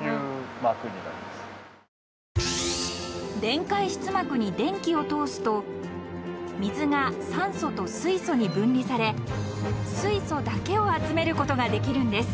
［電解質膜に電気を通すと水が酸素と水素に分離され水素だけを集めることができるんです］